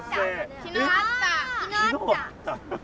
昨日あった？